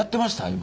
今。